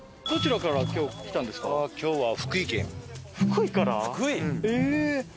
福井から？